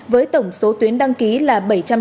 với tổng số tuyến đăng ký là bảy trăm chín mươi ba